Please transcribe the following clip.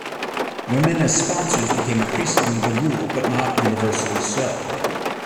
Women as sponsors became increasingly the rule, but not universally so.